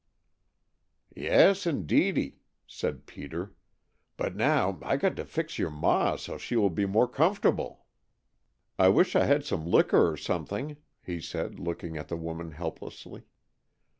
"Yes, indeedy," said Peter, "but now I got to fix your ma so's she will be more comfortable." "I wish I had some liquor or something," he said, looking at the woman helplessly.